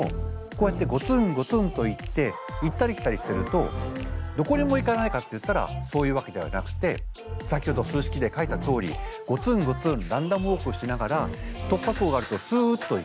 こうやってゴツンゴツンといって行ったり来たりしてるとどこにも行かないかっていったらそういうわけではなくて先ほど数式で書いたとおりゴツンゴツンランダムウォークしながら突破口があるとすっと行く。